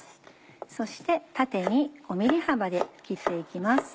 そして縦に５ｍｍ幅で切って行きます。